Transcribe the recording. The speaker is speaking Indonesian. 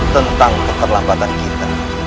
tentang keterlambatan kita